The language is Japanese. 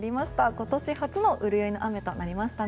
今年初の潤いの雨となりましたね。